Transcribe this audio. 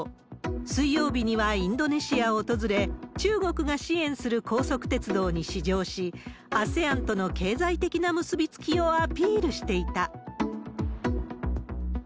水曜日にはインドネシアを訪れ、中国が支援する高速鉄道に試乗し、ＡＳＥＡＮとの経済的な結び付きをアピールしていた。